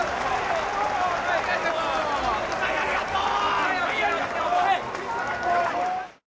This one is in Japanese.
ありがとう。